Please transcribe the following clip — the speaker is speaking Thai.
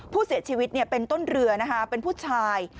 ผู้เสียชีวิตเป็นต้นเรือนะคะเป็นผู้ชาย